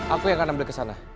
aku yang akan ambil kesana